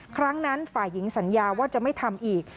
ครั้งนั้นฝ่ายหญิงสัญญาว่าจะไม่ทำอีก